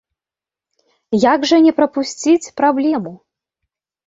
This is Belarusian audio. Як жа не прапусціць праблему?